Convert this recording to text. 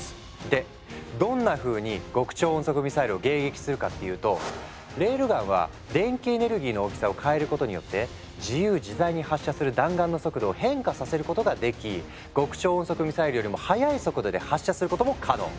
でどんなふうに極超音速ミサイルを迎撃するかっていうとレールガンは電気エネルギーの大きさを変えることによって自由自在に発射する弾丸の速度を変化させることができ極超音速ミサイルよりも速い速度で発射することも可能。